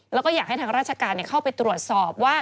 แล้วก็อยากให้ทางราชการเข้าไปตรวจสอบว่า